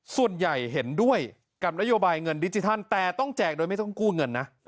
ส่วนใหญ่เห็นด้วยกับนโยบายเงินดิจิทัลแต่ต้องแจกโดยไม่ต้องกู้เงินนะ